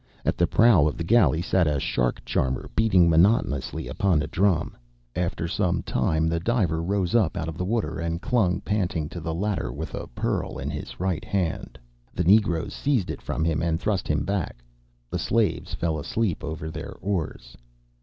At the prow of the galley sat a shark charmer, beating monotonously upon a drum. After some time the diver rose up out of the water, and clung panting to the ladder with a pearl in his right hand. The negroes seized it from him, and thrust him back. The slaves fell asleep over their oars.